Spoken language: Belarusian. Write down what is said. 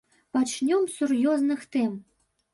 Пачнём з сур'ёзных тэм.